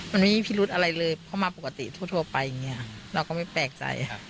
มันไม่มีพิรุธอะไรเลยเข้ามาปกติทั่วไปเนี่ยเราก็ไม่แปลกใจ